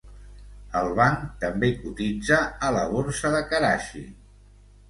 El banc també cotitza a la Borsa de Karachi.